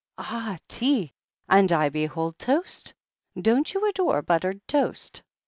Ah, tea ! and I behold toast I Don't you adore buttered toast?"